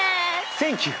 センキュー！